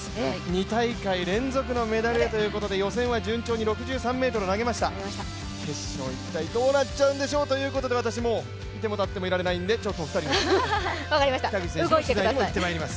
２大会連続のメダルということで予選は順調に６３ｍ投げました、決勝、一体どうなっちゃうんでしょうということで私、もういてもたってもいられないんで、ちょっとお二人にお任せします。